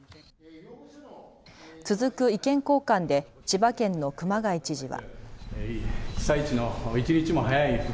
続く意見交換で千葉県の熊谷知事は。